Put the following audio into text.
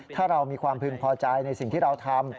ถ้าเรามีความพึงพอใจในสิ่งที่เราทำ